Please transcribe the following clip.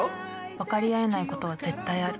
分かり合えないことは絶対ある。